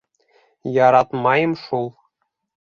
— Яратмайым шул.